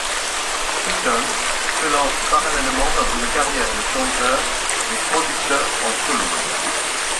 Seaton se lance parallèlement dans une carrière de chanteur et producteur en solo.